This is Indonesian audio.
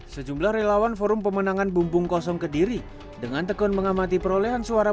sejumlah relawan forum pemenangan bumbung kosong kediri dengan tekun mengamati perolehan suara